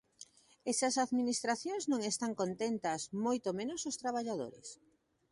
E se as administracións non están contentas, moito menos os traballadores.